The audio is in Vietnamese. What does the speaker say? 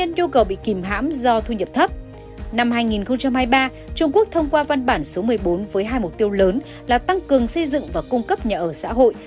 năm hai nghìn hai mươi ba trung quốc thông qua văn bản số một mươi bốn với hai mục tiêu lớn là tăng cường xây dựng và cung cấp nhà ở xã hội